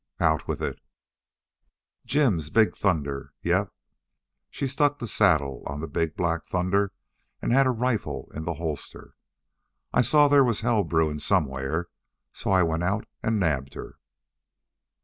"Out with it." "Jim's big Thunder. Yep, she stuck the saddle on big black Thunder and had a rifle in the holster. I saw there was hell brewing somewhere, so I went out and nabbed her."